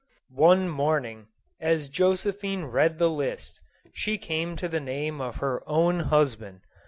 One morning, as Josephine read the list, she came to the name of her own husband.